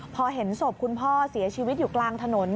พอเห็นศพคุณพ่อเสียชีวิตอยู่กลางถนน